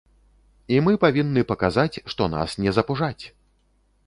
І мы павінны паказаць, што нас не запужаць.